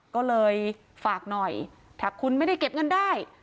ก็เลยฝากหน่อยถ้าคุณไม่ได้เก็บเงินได้